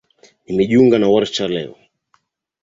Nimejiunga na warsha ya leo.